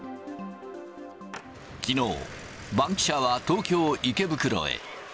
きのう、バンキシャは東京・池袋へ。